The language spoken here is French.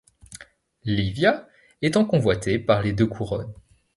Llívia étant convoitée par les deux couronnes.